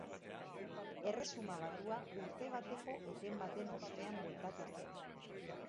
Erresuma Batua urte bateko eten baten ostean bueltatu zen.